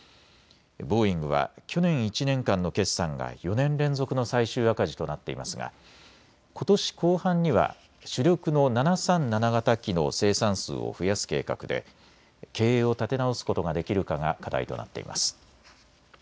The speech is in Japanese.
ボーイングは去年１年間の決算が４年連続の最終赤字となっていますがことし後半には主力の７３７型機の生産数を増やす計画で経営を立て直すことができるかが課題となっています。